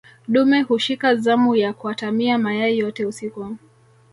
dume hushika zamu ya kuatamia mayai yote usiku